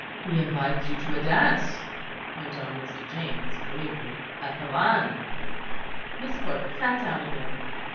"He invites you to a dance," went on Mr. James gravely, "a pavane." Miss Corbet sat down again.